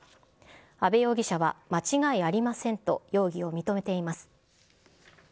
阿部容疑者は、間違いありませんと、容疑を認めています。